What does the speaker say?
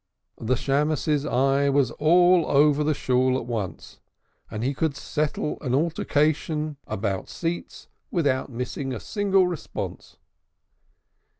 The Beadle's eye was all over the Shool at once, and he could settle an altercation about seats without missing a single response.